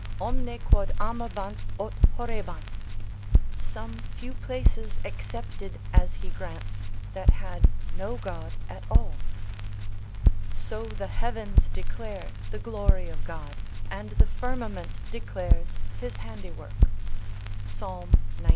omne quod amabant aut horrebant (some few places excepted as he grants, that had no God at all). So the heavens declare the glory of God, and the firmament declares his handy work, Psalm xix.